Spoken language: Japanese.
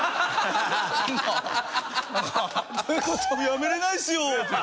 やめれないっすよって。